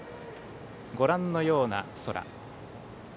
ご覧のような空。